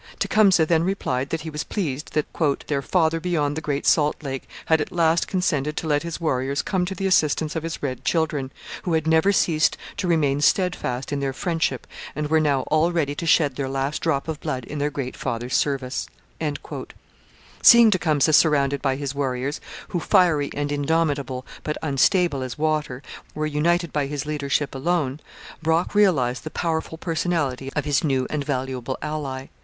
Tecumseh then replied that he was pleased that 'their father beyond the great salt lake had at last consented to let his warriors come to the assistance of his red children, who had never ceased to remain steadfast in their friendship and were now all ready to shed their last drop of blood in their great father's service.' Seeing Tecumseh surrounded by his warriors, who, fiery and indomitable, but unstable as water, were united by his leadership alone, Brock realized the powerful personality of his new and valuable ally.